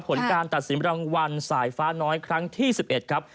ผลการตัดสินรางวัลสายฟ้าน้อยครั้งที่๑๑ครับ